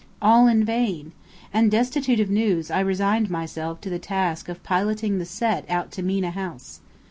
All in vain! And destitute of news I resigned myself to the task of piloting the Set out to Mena House.